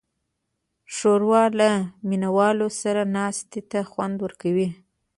ښوروا له مینهوالو سره ناستې ته خوند ورکوي.